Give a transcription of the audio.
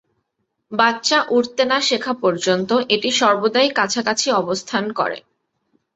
বাচ্চা উড়তে না শেখা পর্যন্ত এটি সর্বদাই কাছাকাছি অবস্থান করে।